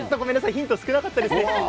ヒントが小さかったですね。